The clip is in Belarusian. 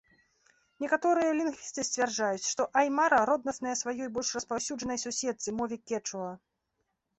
Некаторыя лінгвісты сцвярджаюць, што аймара роднасная сваёй больш распаўсюджанай суседцы, мове кечуа.